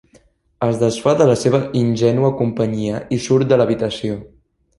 Es desfà de la seva ingènua companyia i surt de l'habitació.